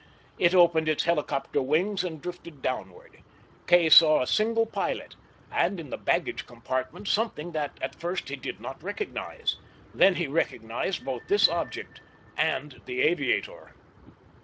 It opened its helicopter wings and drifted downward. Kay saw a single pilot, and, in the baggage compartment something that at first he did not recognize. Then he recognized both this object and the aviator.